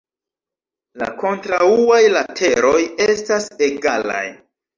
La kontraŭaj lateroj estas egalaj.